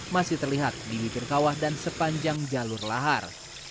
masih terlihat di bibir kawah dan sepanjang jalur lahar